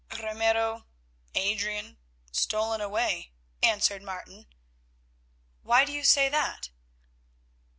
"Ramiro—Adrian—stolen away—" answered Martin. "Why do you say that?"